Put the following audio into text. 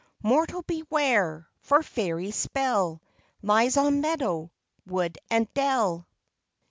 _ _Mortal beware, For Fairy Spell Lies on meadow, Wood and dell!